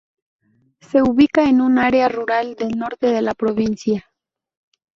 Se ubica en un área rural del norte de la provincia.